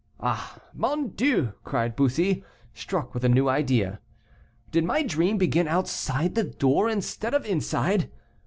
"Ah, mon Dieu!" cried Bussy, struck with a new idea, "did my dream begin outside the door instead of inside?